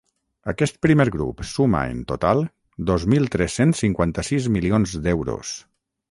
Aquest primer grup suma en total dos mil tres-cents cinquanta-sis milions d’euros.